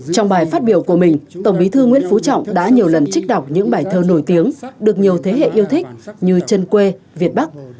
trong bài phát biểu của mình tổng bí thư nguyễn phú trọng đã nhiều lần trích đọc những bài thơ nổi tiếng được nhiều thế hệ yêu thích như chân quê việt bắc